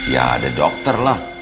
ya ada dokter lah